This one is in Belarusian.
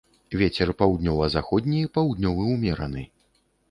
Вецер паўднёва-заходні, паўднёвы ўмераны.